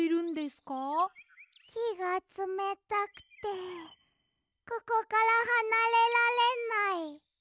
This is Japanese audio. きがつめたくてここからはなれられない。